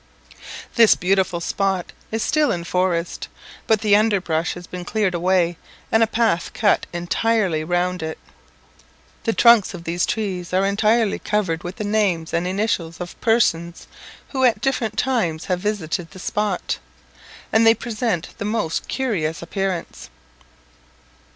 This beautiful spot is still in forest, but the underbrush has been cleared away, and a path cut entirely round it. The trunks of these trees are entirely covered with the names and initials of persons who at different times have visited the spot, and they present the most curious appearance.